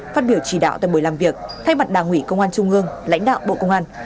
phát biểu chỉ đạo tại buổi làm việc thay mặt đảng ủy công an trung ương lãnh đạo bộ công an